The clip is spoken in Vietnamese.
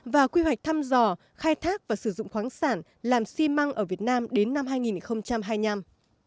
và quy hoạch thăm dò khai thác và sử dụng khoáng sản làm xi măng ở việt nam đến năm hai nghìn hai mươi năm